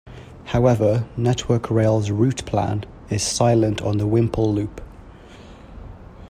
However, Network Rail's Route Plan, is silent on the Whimple loop.